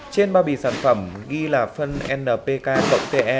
trên bao bì sản phẩm ghi là phân npk cộng te